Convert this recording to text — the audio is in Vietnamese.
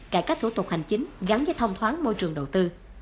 cải cách thủ tục hành chính gắn với thông thoáng môi trường đầu tư